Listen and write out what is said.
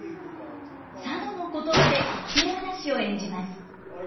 佐渡の言葉で滑稽話を演じます。